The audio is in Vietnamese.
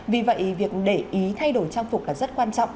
vì vậy việc để ý thay đổi trang phục là rất quan trọng